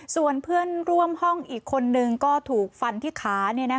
ส่วนเพื่อนร่วมห้องอีกคนนึงก็ถูกฟันที่ขา